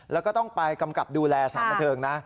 แล้วก็ต้องไปกำกับดูแลสถานบันเทิงนะ